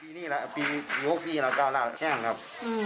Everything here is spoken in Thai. ปีนี้แหละปี๖๙แล้วแห้งครับ